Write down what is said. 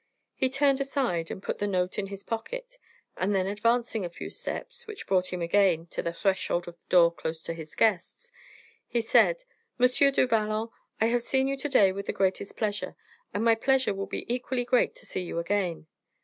He turned aside and put the note in his pocket, and then advancing a few steps, which brought him again to the threshold of the door close to his guests, he said, "M. du Vallon, I have seen you to day with the greatest pleasure, and my pleasure will be equally great to see you again."